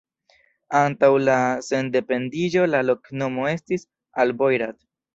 Antaŭ la sendependiĝo la loknomo estis Al-Boirat.